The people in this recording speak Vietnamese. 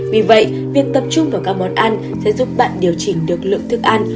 vì vậy việc tập trung vào các món ăn sẽ giúp bạn điều chỉnh được lượng thức ăn